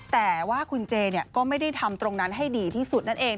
แต่ว่าคุณเจก็ไม่ได้ทำตรงนั้นให้ดีที่สุดนั่นเอง